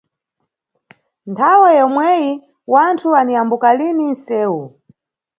Nthawe yomweyi wanthu aniyambuka lini nʼsewu.